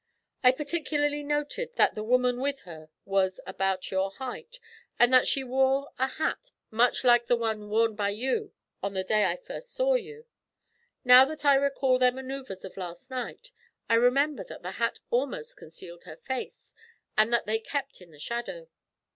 I particularly noted that the woman with her was of about your height, and that she wore a hat much like the one worn by you on the day I first saw you. Now that I recall their manoeuvres of last night, I remember that the hat almost concealed her face, and that they kept in the shadow.'